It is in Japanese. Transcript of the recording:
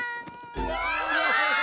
うわ！